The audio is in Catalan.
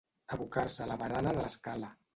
Abocar-se a la barana de l'escala.